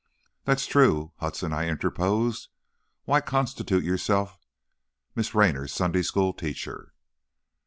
"That's true, Hudson," I interposed, "why constitute yourself Miss Raynor's Sunday School teacher?"